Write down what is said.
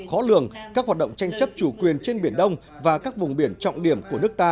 khó lường các hoạt động tranh chấp chủ quyền trên biển đông và các vùng biển trọng điểm của nước ta